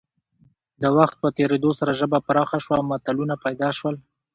د وخت په تېرېدو سره ژبه پراخه شوه او متلونه پیدا شول